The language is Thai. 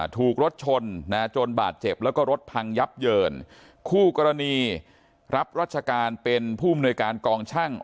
ถูกรถชนนะจนบาดเจ็บแล้วก็รถพังยับเยินคู่กรณีรับรัชการเป็นผู้มนวยการกองช่าง